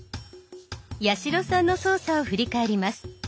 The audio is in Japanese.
八代さんの操作を振り返ります。